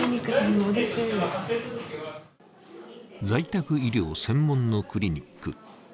在宅医療専門のクリニック。